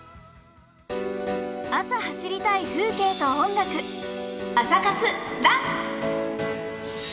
朝走りたい風景と音楽、「朝活ＲＵＮ」。